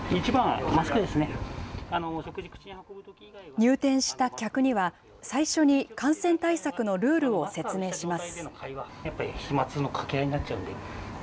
入店した客には、最初に感染対策のルールを説明します。